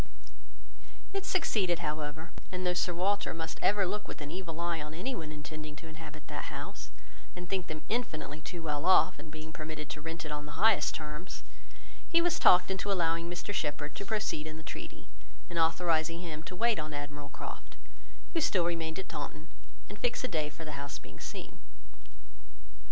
It succeeded, however; and though Sir Walter must ever look with an evil eye on anyone intending to inhabit that house, and think them infinitely too well off in being permitted to rent it on the highest terms, he was talked into allowing Mr Shepherd to proceed in the treaty, and authorising him to wait on Admiral Croft, who still remained at Taunton, and fix a day for the house being seen.